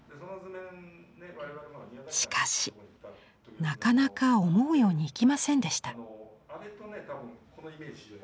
しかしなかなか思うようにいきませんでした。